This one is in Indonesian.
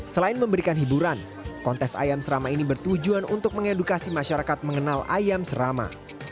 selain memberikan hiburan kontes ayam serama ini bertujuan untuk mengedukasi masyarakat mengenal ayam serama